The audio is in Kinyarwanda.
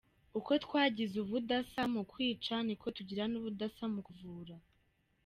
Uko twagize ubudasa mu kwica, niko tugira n’ubudasa mu kuvura.”